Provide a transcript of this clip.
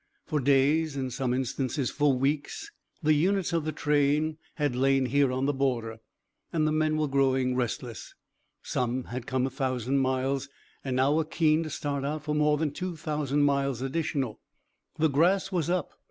For days, in some instances for weeks, the units of the train had lain here on the border, and the men were growing restless. Some had come a thousand miles and now were keen to start out for more than two thousand miles additional. The grass was up.